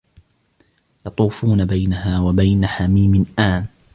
يطوفون بينها وبين حميم آن